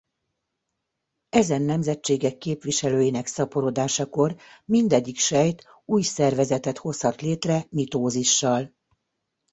Ezen nemzetségek képviselőinek szaporodásakor mindegyik sejt új szervezetet hozhat létre mitózissal.